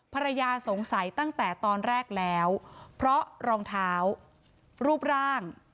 ภรรยาสงสัยตั้งแต่ตอนแรกแล้วเพราะรองเท้ารูปร่าง